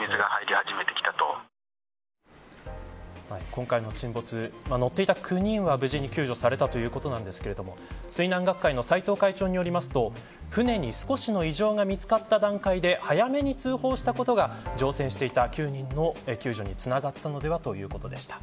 今回の沈没、乗っていた９人は無事に救助されたということですが水難学会の斎藤会長によりますと船に少しの異常が見つかった段階で早めに通報したことが乗船していた９人の救助につながったのではということでした。